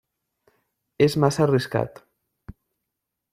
És massa arriscat.